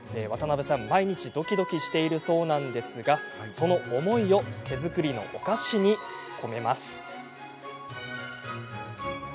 渡辺さん、毎日ドキドキしているそうなんですがその思いを手作りのお菓子に込めます。